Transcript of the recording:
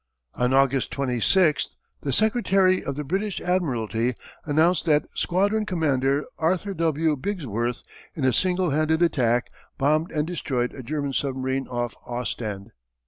"On August 26, the Secretary of the British Admiralty announced that Squadron Commander Arthur W. Bigsworth in a single handed attack bombed and destroyed a German submarine off Ostend.